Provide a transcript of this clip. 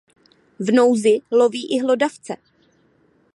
V nouzi loví i hlodavce.